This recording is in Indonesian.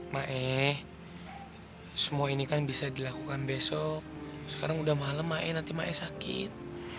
mae semua ini kan bisa dilakukan besok sekarang udah malem mae nanti mae sakit